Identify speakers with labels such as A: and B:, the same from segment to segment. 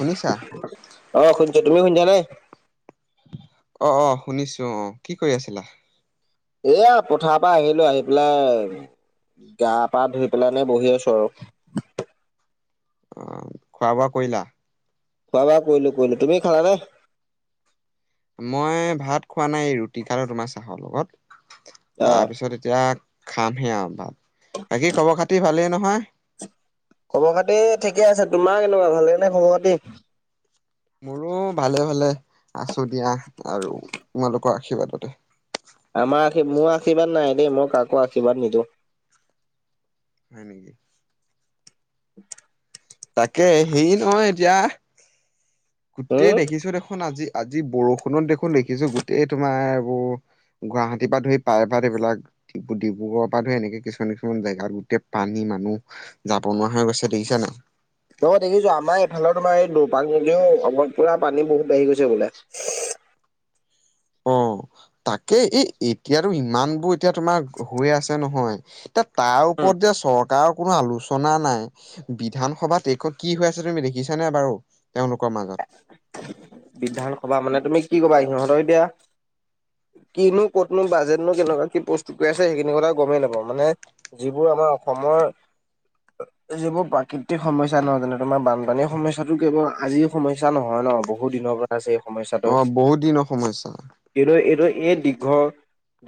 A: শুনিছা?
B: অ', শুনছো, তুমিও শুনছা নে?
A: অ', - অ', শুনিছোঁ অ', কি কৰি আছিলা',
B: এয়া পথাৰ পৰা আহিলোঁ, আহি পেলাই গা-পা ধুই পেলাই নে বহি আছোঁ আৰু',
A: অ', খোৱা - বোৱা কৰিলা?
B: খোৱা - বোবা কৈলো - কৈলো, তুমি খালা নে?
A: মই ভাত খোৱা নাই এই ৰুটি খালোঁ তোমাৰ চাহৰ লগত,
B: অ
A: তাৰপিছত এতিয়া', খাম হে আৰু ভাত, বাকী খবৰ - খাতি ভালেই নহয়',
B: খবৰ - খাতি ঠিকে আছে, তোমাৰ কেনেকুৱা ভালে নে খবৰ - খাতি?
A: মোৰো ভালে - ভালে আছোঁ দিয়া আৰু তোমালোকৰ আশীৰ্বাদতে',
B: আমাৰ আশী মোৰ আশীৰ্বাদ নাই দেই মই কাকো আশীৰ্বাদ নিদিওঁ',
A: হয় নেকি',
B: উম',
A: তাকে এ', হেৰি নহয় এতিয়া, গোটেই
B: উম
A: দেখিছোঁ দেখোন আজি', আজি বৰষুণত দেখোন দেখিছোঁ গোটেই তোমাৰ এইবোৰ', গুৱাহাটীৰ পৰা ধুই প্ৰায় ভাগ এইবিলাক', ডিব্ৰু - ডিব্ৰুগড়ৰ পৰা ধৰি এনেকে কিছুমান-কিছুমান জেগাত গোটেই পানী মানুহ', যাব নোৱাৰা হৈ গৈছে দেখিছা ন',
B: অহ', দেখিছোঁ আমাৰ এইফালৰ তোমাৰ এই দপাং নদীও অলপ পুৰা পানী বহুত বাঢ়ি গৈছে বোলে',
A: অ', তাকে এই এতিয়াতো ইমান বোৰ এতিয়া তোমাৰ হৈ আছে নহয়', এতিয়া তাৰ
B: উম
A: ওপৰত যে চৰকাৰৰ কোনো আলোচনা নাই', বিধানসভাত এখন কি হৈ আছে তুমি দেখিছানে বাৰু তেওঁলোকৰ মাজত?
B: বিধানসভা মানে, তুমি কি কবা সিহঁতৰ এতিয়া', কি নো ক'ত নো বাজেট নো কেনেকুৱা কি প্ৰস্তুত কৰি আছে সেইখিনি কথা গমেই নাপাওঁ মানে', যিবোৰ আমাৰ অসমৰ', এই যিবোৰ প্ৰাকৃতিক সমস্যা নহয় যেনে তোমাৰ বানপানীৰ সমস্যাতটো কেৱল আজি', সমস্যা নহয় ন বহুত দিনৰ পৰা আছে এই
A: অ
B: সমস্যাটো',
A: বহুত দিনৰ সমস্যা
B: এইটো - এইটো এই দীঘল',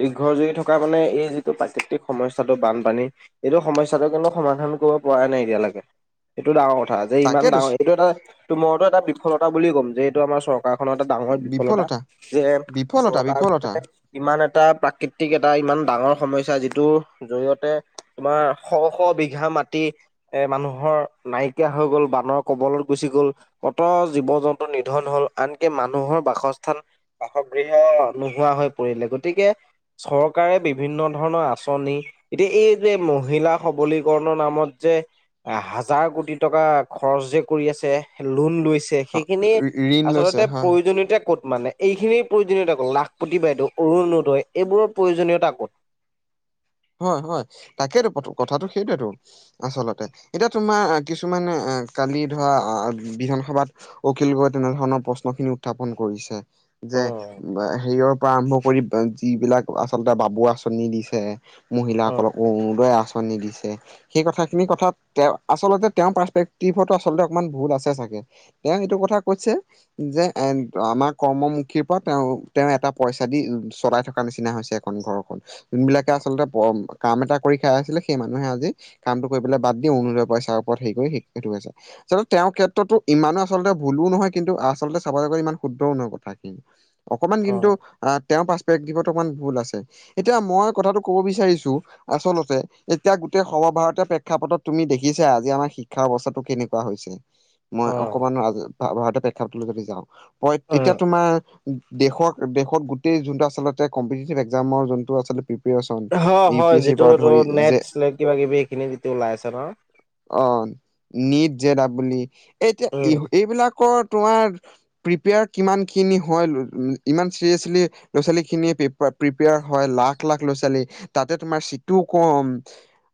B: দীৰ্ঘ জুৰি থকা মানে এই যিটো প্ৰাকৃতিক সমস্যাটো বানপানী। এইটো সমস্যাটো কিন্তু সমাধান কৰিব পৰা নাই এতিয়ালৈকে এইটো ডাঙৰ। কথা যে ইমান
A: তাকেতো
B: ডাঙৰ এইটো এটা ত মৰতো এটা বিফলতা বুলিযে ক'ম যে এইটো আমাৰ চৰকাৰ। চৰকাৰ খনৰ এটা ডাঙৰ বিফলতা যে
A: বিফলতা বিফলতা
B: চৰকাৰনে। ইমান এটা প্ৰাকৃতিক এটা ইমান ডাঙৰ সমস্যা যিটোৰ জৰিয়তে। তোমাৰ শ শ বিঘা মাটি। এ মানুহৰ নাইকিয়া হৈ গ'ল বানৰ কবলত গুচি গ'ল। ক'ত জীৱ জন্তু নিধন হল, আনকি মানুহৰ বাসস্থান বাসগৃহ নোহোৱা হৈ পৰিলে, গতিকে চৰকাৰে বিভিন্ন ধৰণৰ আঁচনি, এতিয়া এই যে মহিলা সবলীকৰণৰ নামত যে। এ হাজাৰ কোটি টকা খৰচ যে কৰি আছে লোন লৈছে।
A: অ
B: সেইখিনি
A: ঋণ লৈছে
B: আচলতে
A: হয়
B: প্ৰয়োজনীয়তা ক'ত মানে। এইখিনিৰ প্ৰয়োজনীয়তা ক'ত লাখপতি বাইদেউ অৰুণনোদয় এইবোৰৰ প্ৰয়োজনীয়তা ক'ত।
A: হয়-হয় তাকেইটো কথাটো সেইটোৱয়েতো। আচলতে এতিয়া তোমাৰ কিছুমানে কালি ধৰা বিধানসভাত, অখিল গগৈ তেনেধৰণৰ প্ৰশ্ন খিনি উত্থাপন কৰিছে।
B: অ
A: যে হেৰিয়ৰ পৰা আৰম্ভ কৰি যিবিলাক আচলতে বাবু আঁচনি দিছে।
B: অ
A: মহিলাসকলক উদয় আঁচনি দিছে। সেই কথা খিনি কথাত তেওঁ আচলতে তেওঁৰ পাৰ্চেক্টিভো আচলতে অকমান ভুল আছে চাগে। তেওঁ সেইটো কথা কৈছে। যে এ আমাৰ কৰ্মমুখীৰ পৰা তেওঁ তেওঁ এটা পইচা দি চলাই থকা নিচিনা হৈছে। খন ঘৰখন যোনবিলাকে আচলতে কাম এটা কৰি খাই আছিলে, সেই মানুহে আজি কামটো কৰি পেলাই বাদ দিওঁ আৰুনোদয়ৰ পইচাৰ ওপৰত হেৰি কৰি সেইটো হৈছে। যতে তেওঁৰ ক্ষেত্ৰতো ইমানো আচলতে ভুলো নহয়। কিন্তু আচলতে চাব যাগলে ইমান শুদ্ধও নহয় কথাই। অকমান
B: অ
A: কিন্তু আহ, তেওঁৰ পেকটভত অকমান ভুল আছে। এতিয়া মই কথাটো ক'ব বিচাৰিছো আচলতে, এতিয়া গোটেই সৰ্বভাৰতীয় প্ৰেক্ষাপটত তুমি দেখিছা আজি আমাৰ শিক্ষা অৱস্থাটো কেনেকুৱা হৈছে।
B: অ
A: মই অকমান ৰাজ ভাৰত প্ৰেক্ষাপটলে যদি যাওঁ, তেতিয়া
B: অ'।
A: তোমাৰ দেশৰ দেশত গোটেই যোনটো আচলতে কম্পিটিটিভ এক্জামৰ যোনটো আছিলে।
B: অ, হয়। যিটো ত নেট
A: যে
B: স্তেল কিবা কিবি এইখিনি যটো ওলাই আছে ন।
A: অ, নিট জে দাবুল ই বুলি এতিয়া
B: উম
A: এইবিলাকৰ তোমাৰ। প্ৰিপেয়াৰ কিমানখিনি হয় ইমান চিৰিয়াছলি ল'ৰা ছোৱালীখিনিয়ে প্ৰিপেয়াৰ হয় লাখ-লাখ ল'ৰা ছোৱালী তাতে তোমাৰ চিটো কম।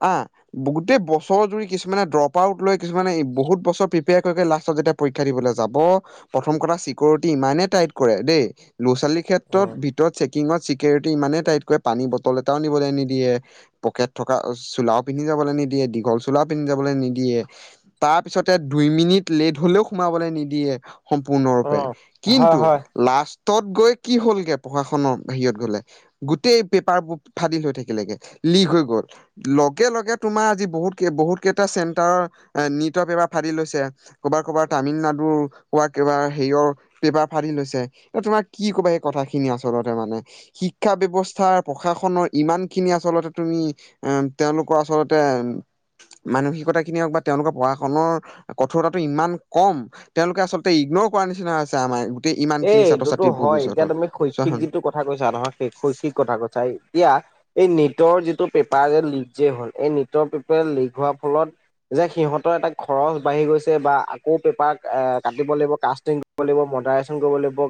A: আহ, গোটেই বছৰৰ জুৰি কিছুমানে ড্ৰপ আউট লৈ কিছুমানে বহুত বছৰ প্ৰিপেয়াৰ কৰিক লাষ্টত যেতিয়া পৰীক্ষা দিবলৈ যাব। প্ৰথম কথা চিকৰিটি ইমানেই টাইট কৰে দেই, ল'ৰা ছোৱালীৰ
B: উম
A: ক্ষেত্ৰত ত চেকিঙত চিকৰটি ইমানেই টাইট কৰে পানী বটল এটাও নিবলৈ নিদিয়ে। পকেট থকা চোলাও পিন্ধি যাবলৈ নিদিয়ে, দীঘল চ চোলা পিন্ধি যাবলৈ নিদিয়ে। তাৰ পিছতে দুই মিনিট লেট হলেও সোমাবলৈ নিদিয়ে। সম্পূৰ্ণৰূপে।
B: উম হয়
A: কিন্তু
B: হয়
A: লাষ্টত গৈ কি হ'লগে প্ৰশাসনৰ বাহিৰত গলে, গোটেই পেপাৰবোৰ ফাদিল হৈ থাকিলেগে, লিক হৈ গ'ল। লগে-লগে তোমাৰ আজি বহুত বহুত কেইটা চেণ্টাৰৰ এ নিটৰ পেপাৰ ফাদিল হৈছে। কবাৰ-কবাৰ তামিলনাডুৰ, কোৱা কিবাৰ হেৰিয়ৰ। পেপাৰ ফাদিল হৈছে। এ তোমাৰ কি কবা সেই কথাখিনি আচলতে মানে? শিক্ষা ব্যৱস্থা প্ৰশাসনৰ ইমান খিনি আচলতে তুমি, এ তেওঁলোকো আচলতে, মানসিকতাখিনি হওক বা তেওঁলোকৰ প্ৰশাসনৰ কঠোৰতাটো ইমান কম, তেওঁলোকে আচলতে ইগনৰ কৰাৰ নিচিনা হৈছে আমাক।
B: এ এইটোতো হয়, এতিয়া তুমি
A: চোৱা
B: শৈক্ষিক
A: চোন
B: যিটো কথা কৈছা নহয়েই শৈক্ষিক কথা কৈছা এতিয়া, এই নীটৰ যিটো পেপাৰ যে লিক যে হ'ল, এই নীটৰ পেপাৰ লিক হোৱাৰ ফলত যে সিহঁতৰ এটা খৰচ বাঢ়ি গৈছে বা আকৌ পেপাৰ এ কাটিব লাগিব কাষ্টিং কৰিব লাগিব মডাৰ কৰিব লাগিব,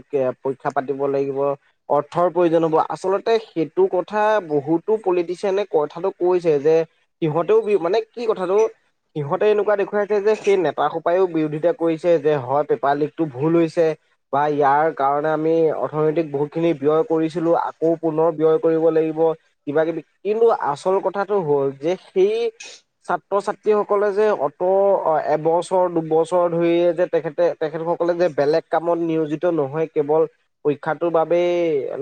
B: পৰীক্ষা পাতিব লাগিব। অৰ্থৰ প্ৰয়োজন হ'ব, আচলতে সেইটো কথা বহুতো পলিটিচিয়ানে কথাটো কৈছে যে সিহঁতেও বি মানে কি কথাটো সিহঁতে এনেকুৱা দেখুৱাইছে যে, সেই নেতাসোপায়ো বিৰোধিতা কৰিছে যে হয় পেপাৰ লীকটো ভুল হৈছে। বা ইয়াৰ কাৰণে আমি অৰ্থনৈতিক বহুতখিনি ব্যয় কৰিছিলোঁ, আকৌ পুনৰ ব্যয় কৰিব লাগিব। কিবা কিবি, কিন্তু আচল কথাটো হ'ল যে সেই ছাত্ৰ ছাত্ৰীসকলে যে অত এবছৰ দুবছৰ ধৰিয়ে যে তেখেতে তেখেতসকলে যে বেলেগ কামত নিয়োজিত নহৈ কেৱল পৰীক্ষাটোৰ বাবেই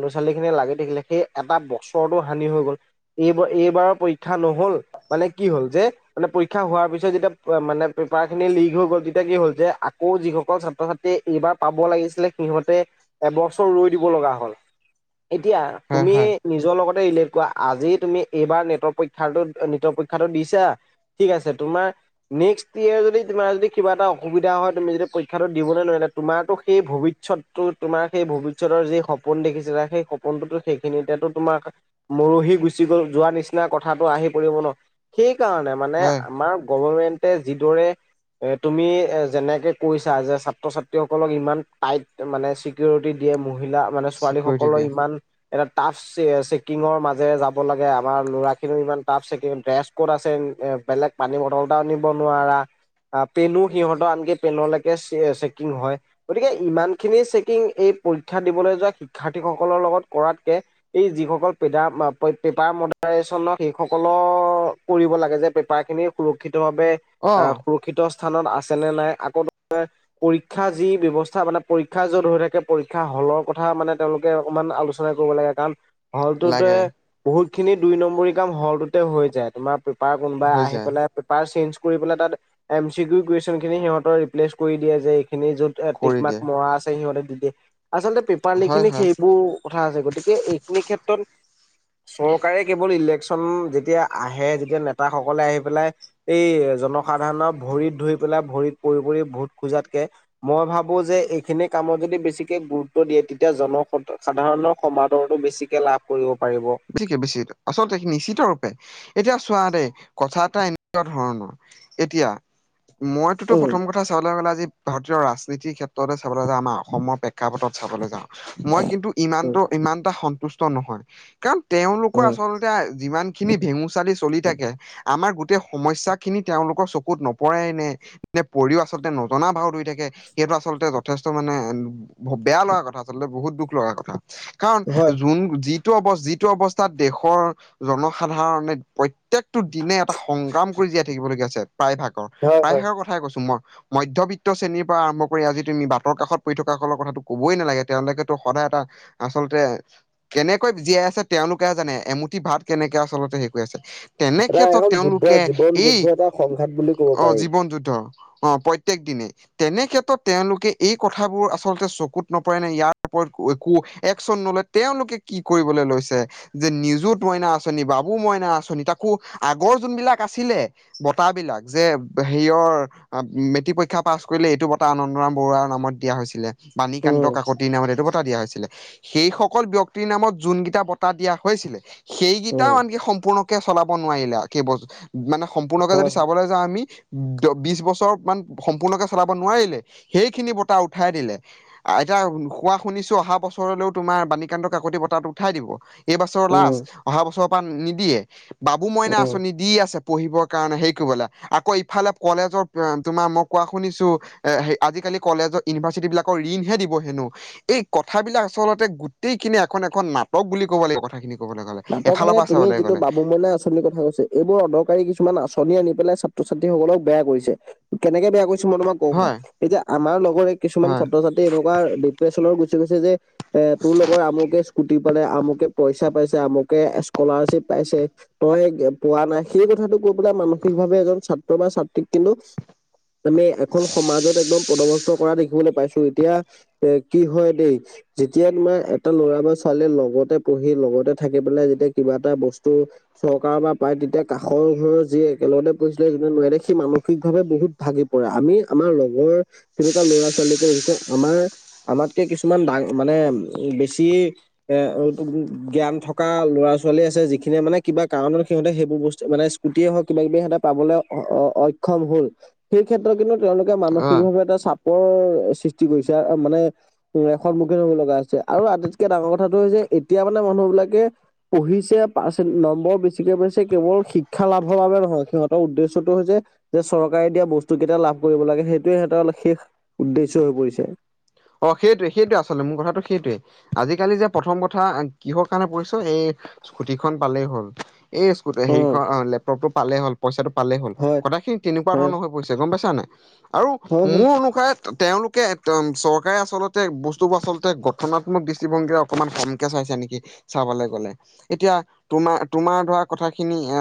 B: ল'ৰা ছোৱালী খিনি লাগি থাকিলে, সেই এটা বছৰতো হানি হৈ গ'ল। এইবাৰ এইবাৰৰ পৰীক্ষা নহ'ল, মানে কি হ'ল যে মানে পৰীক্ষা হোৱাৰ পিছত যেতিয়া মানে পেপাৰ খিনি লীক হৈ গ'ল তেতিয়া কি হ'ল যে, আকৌ যিসকল ছাত্ৰ ছাত তে এইবাৰ পাব লাগিছিলে সিহঁতে এবছৰ ৰৈ দিব লগা হ'ল, এতিয়া
A: হয়
B: তুমি
A: হয়
B: নিজৰ লগতে ৰিলেট কৰা, আজি তুমি এইবাৰ নীটৰ পৰীক্ষাটো- নীটৰ পৰীক্ষাটো দিছা। ঠিক আছে তোমাৰ নেক্সট ইয়েৰ যদি তোমাৰ যদি কিবা এটা অসুবিধা হয়, তুমি যদি পৰীক্ষাটো দিবলে নোৱাৰিলা তোমাৰতো সেই ভৱিষ্যততো তোমাৰ সেই ভৱিষ্যতৰ যি সপোন দেখিছিলা, সেই স সপোনটোতো সেইখিনিতেতো তোমাৰ মৰহি গুচি গ'ল যোৱা নিচিনা কথাটো আহি পৰিব ন। সেই কাৰণে মানে
A: হয়
B: আমাৰ গভৰমেন্ট তে যিদৰে এ তুমি যেনেকে কৈছা যে ছাত্ৰ-ছাত ত্ৰীসকলক ইমান টাইট মানে চিকিউৰিটি দিয়ে, মহিলা মানে
A: চিকিউৰিটি
B: ছোৱালীসকলৰ
A: দিয়ে
B: ইমান এটা টাফ চেকিঙৰ মাজেৰে যাব লাগে আমাৰ ল'ৰাখিনিও ইমান টাফ চেকিং ড্ৰেছ ক'ড আছে এ বেলেগ পানী বটল এটাও নিব নোৱাৰা, পেনো সিহঁতৰ আনকি পেনলেকে চে হয়, গতিকে ইমান খিনি চেকিং এই পৰীক্ষা দিবলে যোৱা শিক্ষাৰ্থীসকলৰ লগত কৰাতকে এই যিসকল পেদাৰ পেপাৰ মডাৰেশ্বনৰ সেইসকলৰ কৰিব লাগে যে পেপাৰ খিনি সুৰক্ষিতভাৱে আ
A: অ'
B: সুৰক্ষিত স্থানত আছে নে নাই, আকৌ পৰীক্ষা যি ব্যৱস্থা মানে, পৰীক্ষা য'ত হৈ থাকে, পৰীক্ষা হলৰ কথা মানে তেওঁলোকে অকণমান আলোচনা কৰিব লাগে। কাৰণ হলটোতে
A: লাগে
B: বহুতখিনি দুই নম্বৰী কাম হলটোতে হৈ যায় তোমাৰ বা কোনোবাই
A: হৈ
B: আহি
A: যায়
B: পেলাই পেপাৰ চেঞ্জ কৰি পেলাই তাত এমি চি কিউ কোয়েশ্বন খিনি সিহঁতৰ ৰিপ্লেছ কৰি দিয়ে যে এইখিনি যত টিক
A: কৰি
B: মাক
A: দিয়ে
B: মৰা আছে সিহঁতে দি দিয়ে, আচলতে পেপাৰ লিক
A: হয়
B: খিনি
A: হয়
B: সেইবোৰ কথা আছে, গতিকে এইখিনি ক্ষেত্ৰত চৰকাৰে কেৱল ইলেকচন যেতিয়া আহে, যেতিয়া নেতাসকলে আহি পেলাই এই জনসাধাৰণৰ ভৰিত ধৰি পেলাই ভৰিত পৰি- পৰি ভোট খোজাতকে মই ভাবো যে এইখিনি কামত যদি বেছিকে গুৰুত্ব দিয়ে, তেতিয়া জন সাধাৰণৰ সমাদৰটো বেছি কে লাভ কৰিব পাৰিব।
A: বেছিকে বেছি, আচলতে নিশ্চিত ৰূপে এতিয়া চোৱা দেই কথা এটা এনেকুৱা ধৰণৰ এতিয়া মইতোটো
B: উম
A: প্ৰথম কথা চাবলৈ গ'লে আজি ভাৰতীয় ৰাজনীতিৰ ক্ষেত্ৰতে চাবলৈ গ'লে আমাৰ অসমৰ প্ৰে ক্ষাপটত চাবলে যাওঁ, মই কিন্তু
B: উম
A: ইমানটো ইমানটা সন্তুষ্ট নহয়। কাৰণ তেওঁলোকৰ
B: উম
A: আচলতে যিমান খিনি ভেঙুচালি চলি থাকে আমাৰ গোটেই সমস্যা খিনি তেওঁলোকৰ চকুত নপৰেই নে নে পৰিও আচলতে নজনা ভাও ধৰি থাকে, সেইটো আচলতে যথেষ্ট মানে বেয়া লগা কথা আচলতে বহুত দুখ লগা কথা, কাৰণ
B: হয়
A: যোন যিটো অৱ যি টো অৱস্থাত দেশৰ জনসাধাৰণে প্ৰত্যেকটো দিনে এটা সংগ্ৰাম কৰি জীয়াই থাকিব লগীয়া হৈছে প্ৰায় ভাগৰ।
B: হয় হয়
A: প্ৰায়হাৰ কথাই কৈছো মই। মধ্যবিত্ত শ্ৰেণীৰ পৰা আৰম্ভ কৰি আজি তুমি বাটৰ কাষত পৰি থকা সকলৰ কথাটো কবই নালাগে তেওঁলোকেতো সদায় এটা আচলতে কেনেকৈ জীয়াই আছে তেওঁলোকেহে জানে এমুঠি ভাত কেনেকে আচলতে হেৰি কৰি আছে তেনে
B: এটা
A: ক্ষেত্ৰত
B: এখন যুদ্ধ
A: তেওঁলোকে
B: জীৱন
A: এই
B: যুদ্ধ এটা সংঘাত বুলি ক'ব
A: অ,
B: পাৰি
A: জীৱন যুদ্ধ অ, প্ৰ প্ৰত্যেক দিনে তেনে ক্ষেত্ৰত তেওঁলোকে এই কথাবোৰ আচলতে চকুত নপৰে নে ইয়াৰ ওপৰত একো একচন নলয় তেওঁলোকে কি কৰিবলৈ লৈছে যে নিজুত মইনা আঁচনি, বাবু মইনা আঁচনি তাকো আগৰ যোনবিলাক আছিলে বতাহ বিলাক যে হেইয়ৰ অ, মেট্ৰিক পৰীক্ষা পাছ কৰিলে এইটো বঁটা আনন্দৰাম বৰুৱাৰ নামত দিয়া হৈছিলে বাণীকান্ত
B: উম
A: কাকতিৰ নামত এইটো বঁটা দিয়া হৈছিলে সেইসকল ব্যক্তিৰ নামত যোনগীতা বট টা দিয়া হৈছিলে
B: উম
A: সেইকেইটাও আনকি সম্পূৰ্ণকে চলাব নোৱাৰিলে কেবচ মানে সম্পূৰ্ণকে যদি
B: হয়
A: চাবলৈ যাওঁ আমি বিচ বছৰ মান সম্পূৰ্ণকে চলাব নোৱাৰিলে সেইখিনি বঁটা উঠাই দিলে আ, এতিয়া কোৱা শুনিছোঁ অহা বছৰলৈও তোমাৰ বাণীকান্ত কাকতি বঁটাটো উঠাই দিব। এইবছৰ
B: উম
A: লাষ্ট অহা বছৰৰ পৰা নিদিয়ে বাবু মইনা
B: উম
A: আঁচনি দি আছে পঢ়িব কাৰণে হেই কৰিবলে আকৌ ইফালে কলেজৰ [unintelligible] তোমাৰ মই কোৱা শুনিছো এ আজিকালি কলেজৰ ইউনিভাৰ্চিটি বিলাকৰ ঋণহে দিব হেনো এই কথাবিলাক আচলতে গোটেইখিনি এখন- এখন নাটক বুলি ক'ব লাগিব কথাখিনি। ক'বলৈ গ'লে
B: নাটক
A: এফালৰ
B: মানে
A: পৰা
B: তুমি
A: চাবলৈ
B: যিটো
A: গ'লে
B: বাবুমইনা আঁচনিৰ কথা কৈছে এইবোৰ অদৰকাৰী কিছুমান আঁচনি আনি পেলাই ছাত্ৰ -ছাত্ৰীসকলক বেয়া কৰিছে কেনেকে বেয়া কৰিছে মই তোমাক কও শুনা
A: হয়
B: এতিয়া আমাৰ লগৰে কিছুমান
A: হয়
B: ছাত্ৰ- ছাত্ৰী এনেকুৱা ডিপ্ৰেচনৰ গুচি গৈছে যে এ তোৰ লগৰ আমুকে স্কুটি পালে, আমুকে পইচা পাইছে, আমুকে স্কলাৰশ্বিপ পাইছে তই পোৱা নাই সেই কথাটো কৈ পেলাই মানসিকভাৱে এজন ছাত্ৰ বা ছাত্ৰীক কিন্তু আমি এখন সমাজত একদম পদভস্ত কৰা দেখিবলৈ পাইছোঁ এতিয়া এ কি হয় দেই যেতিয়া তোমাৰ এটা ল'ৰা বা ছোৱালীয়ে লগতে পঢ়ি লগতে থাকে বোলে যেতিয়া কিবা এটা বস্তু চৰকাৰৰ পৰা পায় তেতিয়া কাষৰ ঘৰৰ যি একেলগতে পঢ়িছিলে যোনে নোৱাৰিলে সি মানসিকভাৱে বহুত ভাগি পৰে আমি আমাৰ লগৰ তেনেকুৱা ল'ৰা ছোৱালীকে দেখিছো আমাৰ আমাতকে কিছুমান ডা মানে বেছি এ জ্ঞান থক থকা ল'ৰা- ছোৱালী আছে যিখিনিয়ে মানে কিবা কাৰণত সিহঁতে সেইবোৰ বস্তু মানে স্কটেই হওক কিবা- কিবি হওঁক সিহঁতে পাবলে অ', অ', অ', অক্ষম হল সেই ক্ষেত্ৰত কিন্তু তেওঁলোকে
A: অ
B: মানসিকভাৱে এটা চাপ পৰ সৃষ্টি কৰিছে মানে ইয়ে সন্মুখীন হ'ব লগা হৈছে আৰু আটাইতকে ডাঙৰ কথাটো হৈছে যে এতিয়া মানে মানুহ বিলাকে পঢ়িছে পাৰ্চ নম্বৰ বেছিকে পঢ়িছে কেৱল শিক্ষা লাভৰ বাবে নহয় সিহঁতৰ উদ্দেশ্যটো হৈছে যে চৰকাৰে দিয়া বস্তু কেইটা লাভ কৰিব লাগে সেইটোৱে সিহঁতৰ শেষ উদ্দেশ্য হৈ পৰিছে।
A: অ, সেইটোৱে -সেইটোৱে আচলতে মোৰ কথাটো সেইটোৱে। আজিকালি যে প্ৰথম কথা [unintelligible] কিহৰ কাৰণে পঢ়িছ এই স্কুটিখন পালেই হ'ল এই
B: অ
A: হেখন লেপটপটো পালেই হ'ল পইচাটো পালেই হ'ল
B: হয়
A: কথাখিনি তেনেকুৱা
B: হয়
A: ধৰণৰ হৈ পৰিছে গম পাইছা নে নাই আৰু
B: হয় হয়।
A: মোৰ অনুসাৰে তেওঁলোকে একদম চ এ আচলতে বস্তুবোৰ আচলতে গঠনাত্মক দৃষ্টিভংগীৰে অকমান কমকে চাইছে নেকি? চাবলৈ গ'লে এতিয়া তোমাৰ- তোমাৰ ধৰা কথাখিনি এ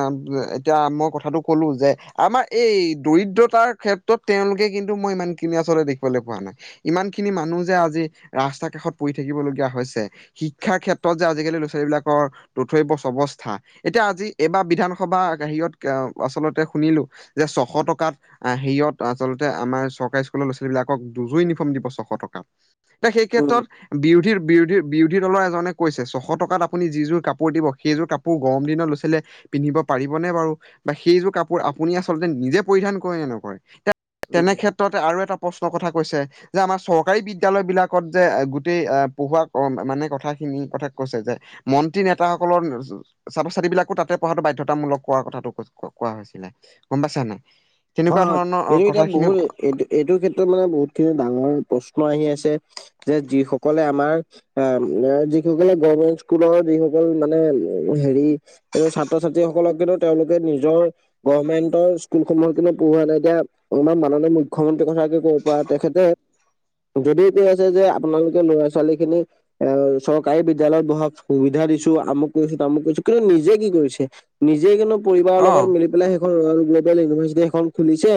A: এতিয়া মই কথাটো ক'লো যে আমাৰ এই দৰিদ্ৰতাৰ ক্ষেত্ৰত তেওঁলোকে কিন্তু মই ইমানখিনি আচলতে দেখিবলৈ পোৱা নাই ইমান খিনি মানুহ যে আজি ৰাস্তা কাষত পৰি থাকিবলগীয়া হৈছে শিক্ষাৰ ক্ষেত্ৰত যে আজিকালি ল'ৰা- ছোৱালীবিলাকৰ ৰোথৈবচ অৱস্থা এতিয়া আজি এইবাৰ বিধানসভা হেৰিয়ত আচলতে শুনিলোঁ যে ছশ টকাত হেয়ত আচলতে আমাৰ চৰকাৰী স্কুলৰ ল'ৰা -ছোৱালী বিলাকক দুজো ইউনিফৰ্ম দিব চ টকা এতি সেই
B: উম
A: ক্ষেত্ৰত, বিৰোধীৰ বিৰোধী বিৰোধী দলৰ এজনে কৈছে ছশ টকাত আপুনি যিযোৰ কাপোৰ দিব, সেইযোৰ কাপোৰ গৰম দিনত ল'ৰা ছোৱালীয়ে পিন্ধিব পাৰিবনে বাৰু বা সেইযোৰ কাপোৰ আপুনি আচলতে নিজে পৰিধান কৰে নে নকৰে?
B: উম।
A: তেনে ক্ষেত্ৰতে আৰু এটা প্ৰশ্নৰ কথা কৈছে। যে আমাৰ চ চৰকাৰী বিদ্যালয়বিলাকত যে গোটেই পঢ়োৱা মানে কথাখিনি কথা কৈছে যে, মন্ত্ৰী নেতাসকলৰ ছাত্ৰ-ছাত্ৰী বিলাকো তাতে পঢ়াটো বাধ্যতামূলক কৰোৱাৰ কথাটো কোৱা হৈছিলে গম পাইছানে।
B: হয়-হয়, এইটো এতিয়া বহুত এইটো এইটোৰ ক্ষেত্ৰত মানে বহুতখিনি ডাঙৰ প্ৰশ্ন আহি আছে। যে যিসকলে আমাৰ অ, যিসকলে গমেন্ট স্কুলৰ যিসকল মানে হেৰি এই ছাত্ৰ-ছাত্ৰীসকলক কিন্তু তেওঁলোকে নিজৰ গভমেণ্টৰ স্কুলসমূহত পঢ়োৱা নাই। এতিয়া অকমান মাননীয় মুখ্যমন্ত্ৰীৰ কথা ক'ব পৰা তেখেতে যদি কৈ আছে যে আপোনালোকে ল'ৰা-ছোৱালী খিনিক, অ, চৰকাৰী বিদ্যালয়ত বহা সুবিধা দিছো। আমু কৰিছো, তামুক কৰিছো কিন্তু নিজে কি কৰিছে? নিজেই কিন্তু পৰিবাৰৰ
A: অ
B: লগত মিলি পেলাই সেইখন ৰয়েল গ্ল'বেল ইউনিভাৰ্চিটি এখন খুলিছে।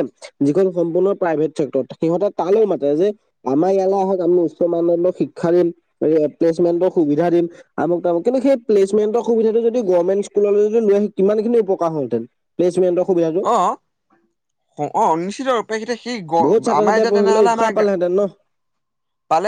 B: যিখন সম্পূৰ্ণ প্ৰাইভেট চেক্টৰত সিহঁতে তালৈ মাতে যে, আমাৰ ইয়ালৈ আহক, আমি উচ্চ মানদণ্ডৰ শিক্ষা দিম এলেচমেণ্টৰ সুবিধা দিম। আমুক তামুক কিন্তু সেই প্লেচমেণ্টৰ সুবিধাটো যদি গভৰ্মেণ্ট স্কুললৈ যদি লৈ আনিলে কিমানখিনি উপকাৰ হলহেতেন। প্লেচমেণ্টৰ সুবিধাটো।
A: অ অ, নিশ্চিত অপেক্ষা এতিয়া সেই গ
B: বহুত ছাত্ৰ
A: আমাৰ
B: ছাত্ৰীয়ে
A: এতিয়া
B: পঢ়িবলৈ
A: তেনেহলে
B: উৎসাহ
A: আমাৰ
B: পালেহেঁতেন ন
A: পালে